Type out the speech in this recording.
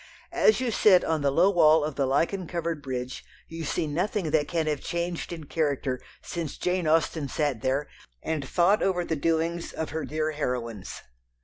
As you sit on the low wall of the lichen covered bridge you see nothing that can have changed in character since Jane Austen sat there and thought over the doings of her dear heroines.